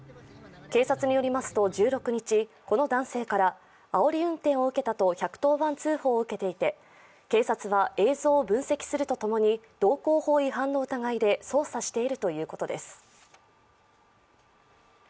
警察によりますと１６日この男性からあおり運転を受けたと１１０番通報を受けていて警察は、映像を分析するとともに道交法違反の疑いで捜査しているということです。